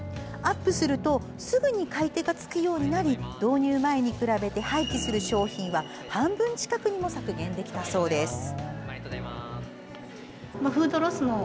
アップするとすぐに買い手がつくようになり導入前に比べて廃棄する商品は半分近くにも削減できたそうです。